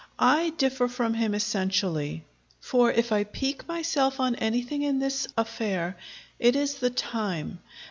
I differ from him essentially; for if I pique myself on anything in this affair, it is the time.